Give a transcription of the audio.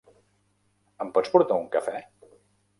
Em pots portar un cafè?